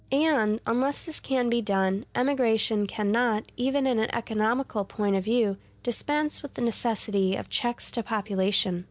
And, unless this can be done, emigration can not, even in an economical point of view, dispense with the necessity of checks to population.